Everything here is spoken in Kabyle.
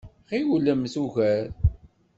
Ɣiwlemt ugar!